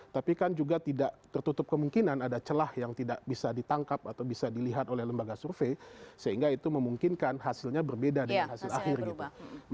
tapi kan juga tidak tertutup kemungkinan ada celah yang tidak bisa ditangkap atau bisa dilihat oleh lembaga survei sehingga itu memungkinkan hasilnya berbeda dengan hasil akhir gitu